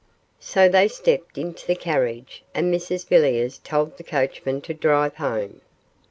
So they stepped into the carriage, and Mrs Villiers told the coachman to drive home.